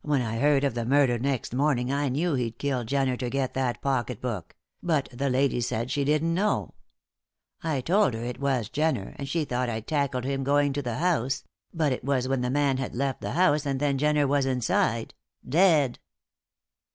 When I heard of the murder next morning, I knew he'd killed Jenner to get that pocket book; but the lady she said she didn't know. I told her it was Jenner, and she thought I'd tackled him going to the house; but it was when the man had left the house, and then Jenner was inside dead."